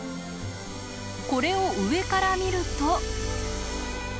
これを上から見ると。